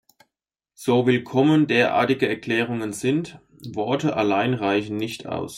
So willkommen derartige Erklärungen sind – Worte allein reichen nicht aus.